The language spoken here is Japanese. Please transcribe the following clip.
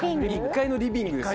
１階のリビング